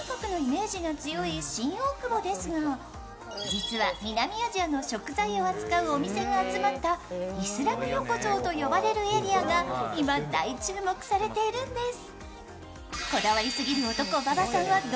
実は南アジアの食材を扱うお店が集まったイスラム横丁と呼ばれるエリアが今、大注目されているんです。